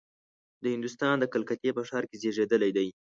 د هندوستان د کلکتې په ښار کې زېږېدلی دی.